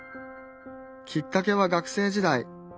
きっかけは学生時代。